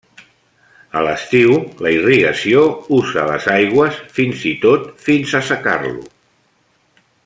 A l'estiu la irrigació usa les aigües fins i tot fins a assecar-lo.